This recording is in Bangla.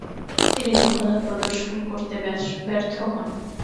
তিনি দক্ষতা প্রদর্শন করতে ব্যর্থ হন।